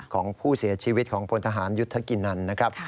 ของผู้เสียชีวิตของพลทหารยุทธกินันนะครับ